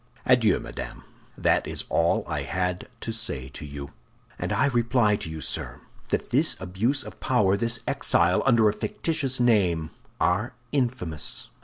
Adieu, madame. That is all I had to say to you." "And I reply to you, sir, that this abuse of power, this exile under a fictitious name, are infamous!"